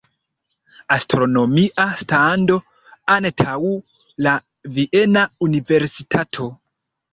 Astronomia stando antaŭ la viena universitato.